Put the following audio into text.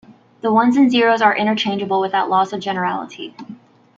The ones and zeros are interchangeable without loss of generality.